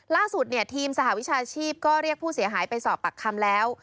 ล่าสุดทีมสหวิชาชีพก็เรียกผู้เสียหายไปสอบปากคำแล้ว